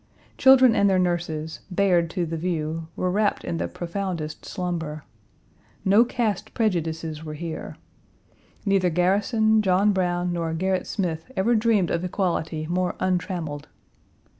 Children and their nurses, bared to the view, were wrapped in the profoundest slumber. No caste prejudices were here. Neither Garrison, John Brown, nor Gerrit Smith ever dreamed of equality more untrammeled.